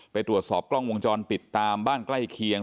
ไปตรวจสอบกล้องวงจรปิดตามบ้านใกล้เคียง